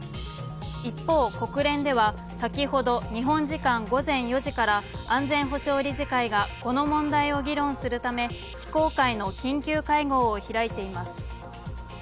一方、国連では先ほど日本時間午前４時から安全保障理事会が、この問題を議論するため非公開の緊急会合を開いています。